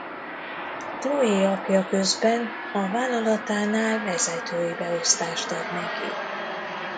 Chloé apja közben a vállalatánál vezetői beosztást ad neki.